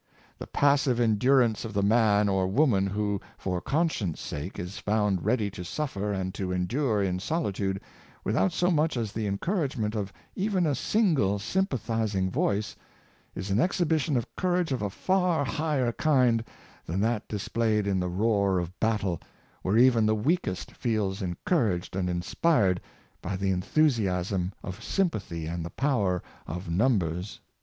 The passive endurance of the man or woman who, for conscience sake, is found ready to suf fer and to endure in solitude, without so much as the encouragement of even a single sympathizing voice, is an exhibition of courage of a far higher kind than that displayed in the roar of battle, where even the weakest feels encouraged and inspired by the enthusiasm of sj^m pathy and the power of numbers.